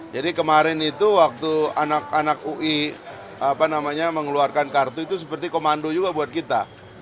jadi kemarin itu waktu anak anak ui apa namanya mengeluarkan kartu itu seperti komando juga buat kita